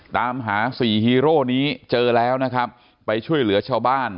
ตามหาสี่ฮีโร่นี้เจอแล้วนะครับไปช่วยเหลือชาวบ้าน